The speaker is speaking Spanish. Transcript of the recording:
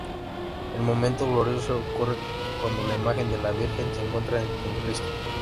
El momento glorioso ocurre cuando la imagen de la Virgen se encuentra con Cristo.